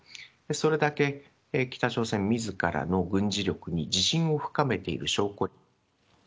それだけ、北朝鮮みずからの軍事力に自信を深めている証拠。